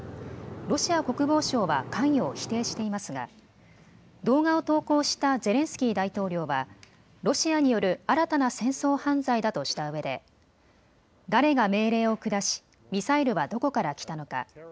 ロシア国防省は関与を否定していますが動画を投稿したゼレンスキー大統領はロシアによる新たな戦争犯罪だとしたうえで誰が命令を下し、ミサイルはどこから来たのか。